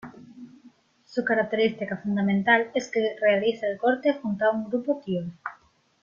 Su característica fundamental es que realiza el corte junto a un grupo tiol.